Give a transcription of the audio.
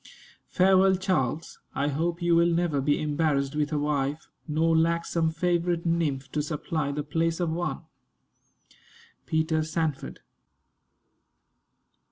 Farewell, Charles. I hope you will never be embarrassed with a wife, nor lack some favorite nymph to supply the place of one. PETER SANFORD.